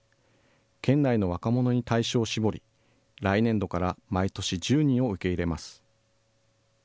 県内の若者に対象を絞り、来年度から毎年１０人を受け入れます。